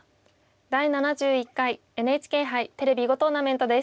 「第７１回ＮＨＫ杯テレビ囲碁トーナメント」です。